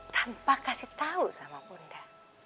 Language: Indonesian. tanpa kasih tahu sama bunda